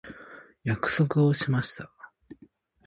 約束をしました。